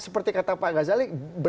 seperti kata pak gazali